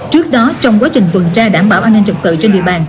trước đó trong quá trình quần tra đảm bảo an ninh trật tự trên địa bàn